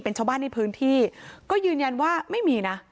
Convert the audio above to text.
เป็นชาวบ้านในพื้นที่ก็ยืนยันว่าไม่มีนะ